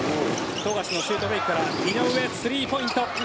富樫のシュートフェイクから井上のスリーポイント。